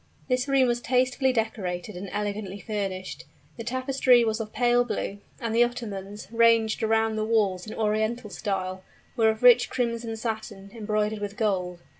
This room was tastefully decorated and elegantly furnished. The tapestry was of pale blue; and the ottomans, ranged round the walls in Oriental style, were of rich crimson satin embroidered with gold.